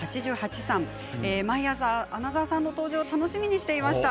毎朝、穴澤さんの登場を楽しみにしていました。